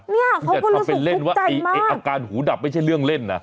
เนี่ยเขาคงรู้สึกกุ๊บใจมากว่าอาการหูดับไม่ใช่เรื่องเล่นนะ